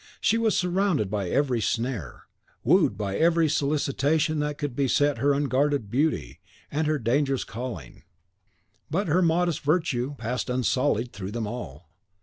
She was surrounded by every snare, wooed by every solicitation that could beset her unguarded beauty and her dangerous calling. But her modest virtue passed unsullied through them all.